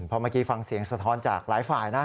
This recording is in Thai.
เพราะเมื่อกี้ฟังเสียงสะท้อนจากหลายฝ่ายนะ